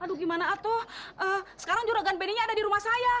aduh gimana atau sekarang juragan benny nya ada di rumah saya